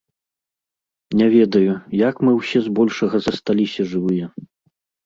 Не ведаю, як мы ўсе збольшага засталіся жывыя.